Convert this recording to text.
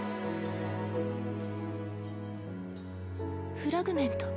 フラグメント。